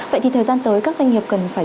vậy thì thời gian tới các doanh nghiệp cần phải